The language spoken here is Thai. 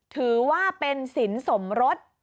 ถือว่าเป็นสินสมรส